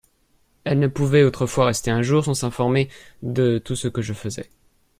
Elle ne pouvait autrefois rester un jour sans s'informer de tout ce que je faisais.